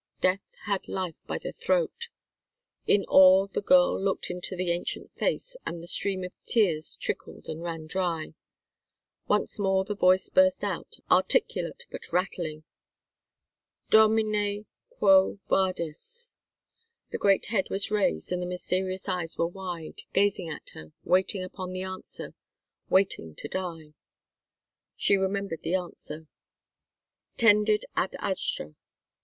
Death had life by the throat. In awe, the girl looked into the ancient face, and the stream of tears trickled and ran dry. Once more the voice burst out, articulate but rattling. "Domine quo vadis?" The great head was raised, and the mysterious eyes were wide, gazing at her, waiting upon the answer, waiting to die. She remembered the answer. "Tendit ad astra."